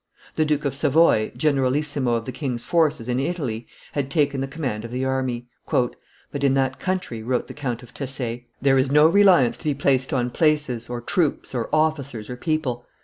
The Duke of Savoy, generalissimo of the king's forces in Italy, had taken the command of the army. "But in that country," wrote the Count of Tesse, "there is no reliance to be placed on places, or troops, or officers, or people.